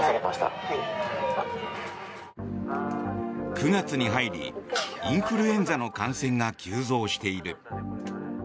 ９月に入りインフルエンザの感染が急増している。